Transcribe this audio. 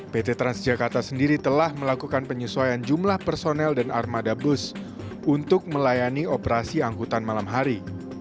pt transjakarta sendiri telah melakukan penyesuaian jumlah personel dan armada bus untuk melayani operasi angkutan malam hari